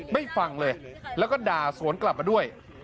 ไม่ฟังเลยแล้วก็ด่าสวนกลับมาด้วย